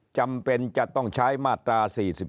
จำเป็นจะต้องใช้มาตรา๔๔